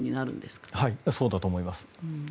そうだと思います。